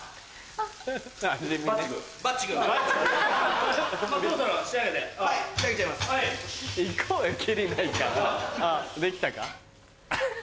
あっできたか？